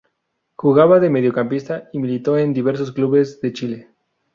Jugaba de mediocampista y militó en diversos clubes de Chile.